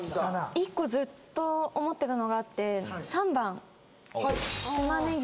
１個ずっと思ってたのがあって３番島根牛